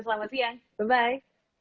selamat siang bye bye